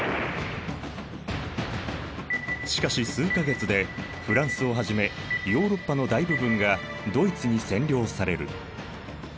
しかし数か月でフランスをはじめヨーロッパの大部分がドイツに占領される。